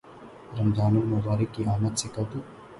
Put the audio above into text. رمضان المبارک کی آمد سے قبل